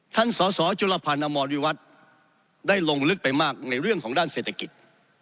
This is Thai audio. สสจุลพันธ์อมรวิวัตรได้ลงลึกไปมากในเรื่องของด้านเศรษฐกิจ